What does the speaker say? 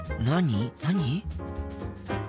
何？